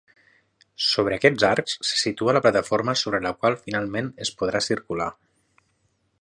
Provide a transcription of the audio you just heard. Sobre aquests arcs se situa la plataforma sobre la qual finalment es podrà circular.